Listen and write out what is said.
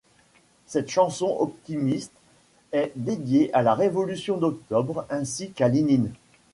Cette chanson optimiste est dédiée à la Révolution d'octobre ainsi qu'à Lénine.